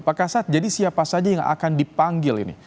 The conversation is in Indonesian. pak kasat jadi siapa saja yang akan dipanggil ini